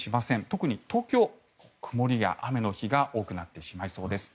特に東京、曇りや雨の日が多くなってしまいそうです。